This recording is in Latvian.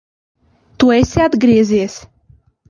Tu esi atgriezies!